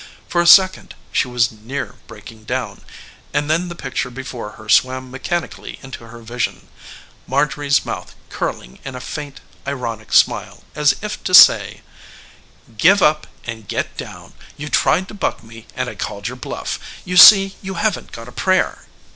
For a second she was near breaking down, and then the picture before her swam mechanically into her vision Marjorie's mouth curling in a faint ironic smile as if to say: "Give up and get down! You tried to buck me and I called your bluff. You see you haven't got a prayer."